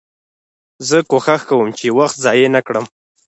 زه کوښښ کوم، چي وخت ضایع نه کړم.